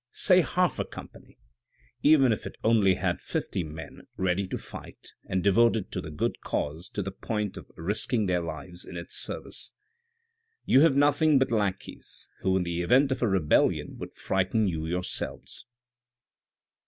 say half a company, even if it only had fifty men, ready to fight and devoted to the good cause to the point of risking their lives in its service. You have nothing but lackeys, who in the event of a rebellion would frighten you yourselves."